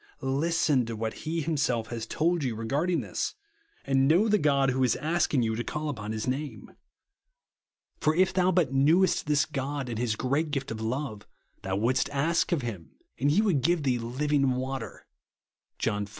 Listen to what He himself has told you regarding this, and know the God who is asking you to call upon his namo ; for if TRUTH OF THE GOSPEL. 95 thou but knewest this God and his great gift of love, thou wouldest ask of him and he woukl give thee living Avater, (John iv.